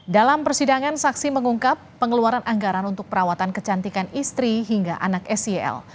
dalam persidangan saksi mengungkap pengeluaran anggaran untuk perawatan kecantikan istri hingga anak sel